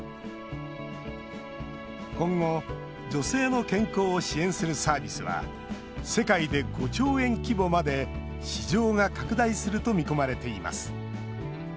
今後、女性の健康を支援するサービスは世界で５兆円規模まで市場が拡大すると見込まれています。